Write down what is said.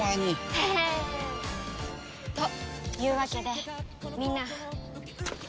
ヘヘン！というわけでみんな。